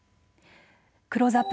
クローズアップ